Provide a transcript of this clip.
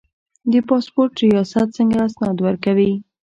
د پاسپورت ریاست څنګه اسناد ورکوي؟